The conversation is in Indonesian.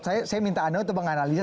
saya minta anda untuk menganalisa